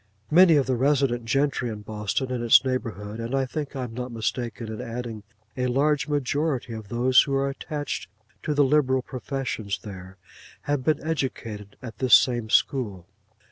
Many of the resident gentry in Boston and its neighbourhood, and I think I am not mistaken in adding, a large majority of those who are attached to the liberal professions there, have been educated at this same school.